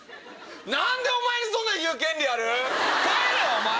何でお前にそんなん言う権利ある⁉帰れお前！